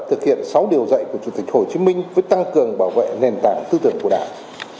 thực hiện sáu điều dạy của chủ tịch hồ chí minh với tăng cường bảo vệ nền tảng tư tưởng của đảng